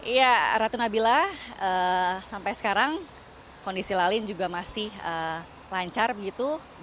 ya ratu nabila sampai sekarang kondisi lalin juga masih lancar begitu